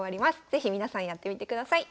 是非皆さんやってみてください。